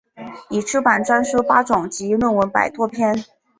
已出版专书八种及论文百多篇。